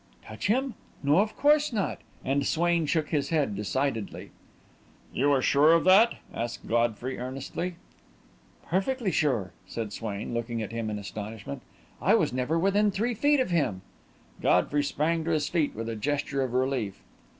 "Touch him? No, of course not," and Swain shook his head decidedly. "You are sure of that?" asked Godfrey earnestly. "Perfectly sure," said Swain, looking at him in astonishment. "I was never within three feet of him." Godfrey sprang to his feet with a gesture of relief.